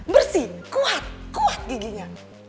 bersih kuat kuat giginya